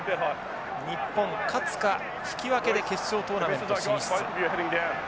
日本勝つか引き分けで決勝トーナメント進出。